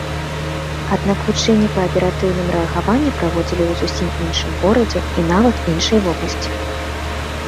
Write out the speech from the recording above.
Аднак вучэнні па аператыўным рэагаванні праходзілі ў зусім іншым горадзе, і нават іншай вобласці.